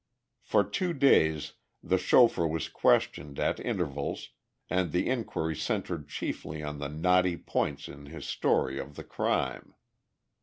For two days the chauffeur was questioned at intervals, and the inquiry centered chiefly on the knotty points in his story of the crime.